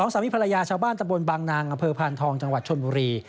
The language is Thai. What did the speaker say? สามีภรรยาชาวบ้านตะบนบางนางอำเภอพานทองจังหวัดชนบุรี